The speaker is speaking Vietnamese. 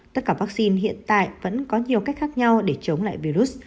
tất cả vắc xin hiện tại vẫn có nhiều cách khác nhau để chống lại virus